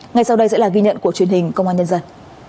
ngay sau đây sẽ là ghi nhận của truyền hình công an nhân dân